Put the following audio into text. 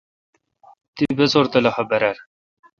تی بسور تہ خاصلخہ برر